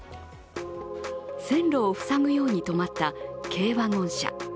線路を塞ぐように止まった軽ワゴン車。